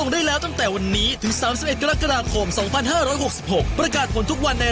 ได้ทั้งเศรษฐีใหม่